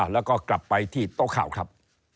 แล้วก็กลับไปที่โต๊ะข่าวครับ